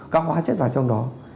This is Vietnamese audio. các hóa chất vào trong đó